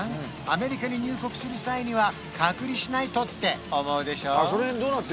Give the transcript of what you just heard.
アメリカに入国する際には隔離しないとって思うでしょ？